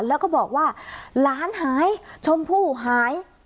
แล้วก็บอกว่าหลานหายชมพู่หาย